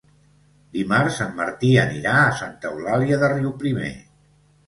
Dimarts en Martí anirà a Santa Eulàlia de Riuprimer.